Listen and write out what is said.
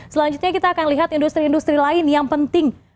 selanjutnya kita akan lihat industri industri lain yang penting